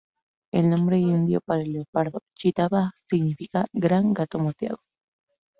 El nombre indio para el leopardo, "chita-bagh" significa gran gato moteado.